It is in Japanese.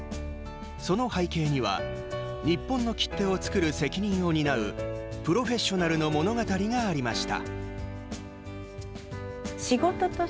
その背景には日本の切手を作る責任を担うプロフェッショナルの物語がありました。